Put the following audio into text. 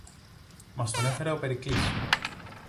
Μας τον έφερε ο Περικλής